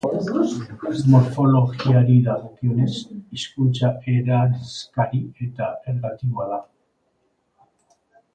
Morfologiari dagokionez, hizkuntza eranskari eta ergatiboa da.